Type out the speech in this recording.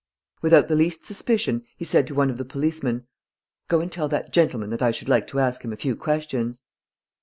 Without the least suspicion, he said to one of the policemen: "Go and tell that gentleman that I should like to ask him a few questions."